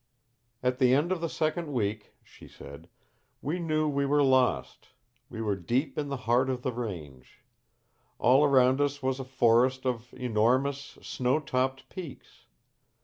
"At the end of the second week," she said, "we knew we were lost. We were deep in the heart of the range. All around us was a forest of enormous, snow topped peaks.